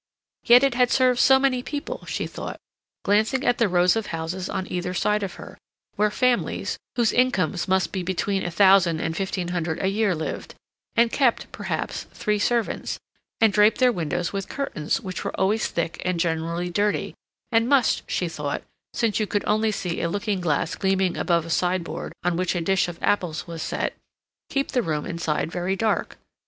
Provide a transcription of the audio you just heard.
Yet it had served so many people, she thought, glancing at the rows of houses on either side of her, where families, whose incomes must be between a thousand and fifteen hundred a year lived, and kept, perhaps, three servants, and draped their windows with curtains which were always thick and generally dirty, and must, she thought, since you could only see a looking glass gleaming above a sideboard on which a dish of apples was set, keep the room inside very dark.